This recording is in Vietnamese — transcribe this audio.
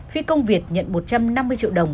phi công việt nhận một trăm năm mươi triệu đồng